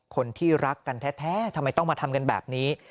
คนที่รักกันแท้ทำไมต้องมาทำกันแบบนี้